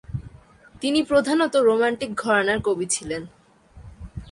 তিনি প্রধানত রোমান্টিক ঘরানার কবি ছিলেন।